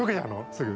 すぐ。